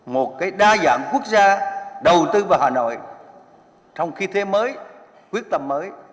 một đa dạng quốc gia đầu tư vào hà nội trong kỳ thế mới quyết tâm mới